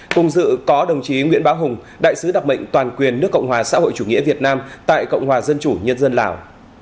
cùng dự có đồng chí nguyễn bá hùng đại sứ đặc mệnh toàn quyền nước cộng hòa xã hội chủ nghĩa việt nam tại cộng hòa dân chủ nhân dân lào